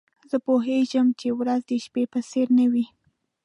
زه پوهیږم چي ورځ د شپې په څېر نه وي.